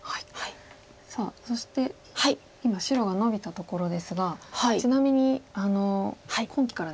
さあそして今白がノビたところですがちなみに今期からですね